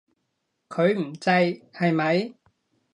佢唔制，係咪？